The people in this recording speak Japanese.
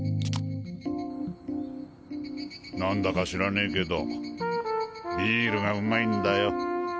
何だか知らねぇけどビールがうまいんだよ。